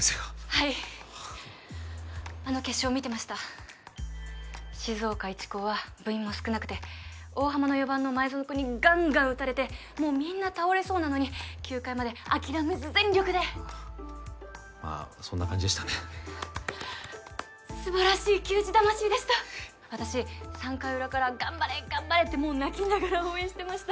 はいあの決勝見てました静岡一高は部員も少なくて大浜の４番の前園君にガンガン打たれてもうみんな倒れそうなのに９回まで諦めず全力であっまあそんな感じでしたね素晴らしい球児魂でした私３回裏から「頑張れ頑張れ！」ってもう泣きながら応援してました